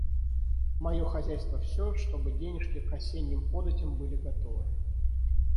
Мое хозяйство всё, чтобы денежки к осенним податям были готовы.